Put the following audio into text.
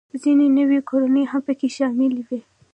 ځینې نوې کورنۍ هم پکې شاملې وې